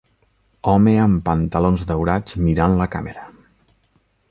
Home amb pantalons daurats mirant la càmera.